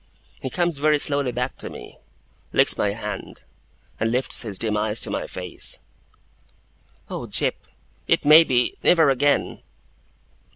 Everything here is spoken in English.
He comes very slowly back to me, licks my hand, and lifts his dim eyes to my face. 'Oh, Jip! It may be, never again!